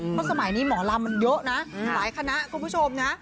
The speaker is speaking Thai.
เพราะสมัยนี้หมอลำมันเยอะนะหลายคณะคุณผู้ชมนะ